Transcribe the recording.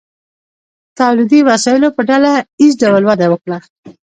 تولیدي وسایلو په ډله ایز ډول وده وکړه.